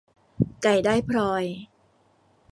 ไก่ได้พลอย